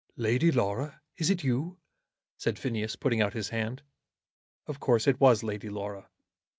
"Lady Laura, is it you?" said Phineas, putting out his hand. Of course it was Lady Laura.